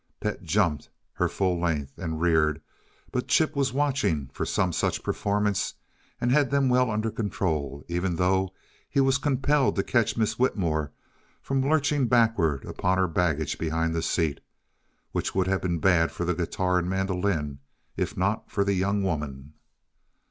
Pet jumped her full length and reared, but Chip was watching for some such performance and had them well under control, even though he was compelled to catch Miss Whitmore from lurching backward upon her baggage behind the seat which would have been bad for the guitar and mandolin, if not for the young woman.